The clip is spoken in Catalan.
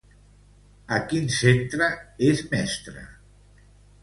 A quin centre és mestra?